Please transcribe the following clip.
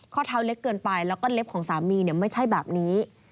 ข้อเท้าเล็กเกินไปแล้วก็เล็บของสามีไม่ใช่แบบนี้